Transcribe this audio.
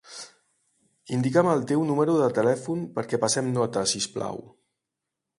Indica'm el teu número de telèfon perquè passem nota, si us plau.